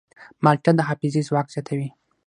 مالټه د حافظې ځواک زیاتوي.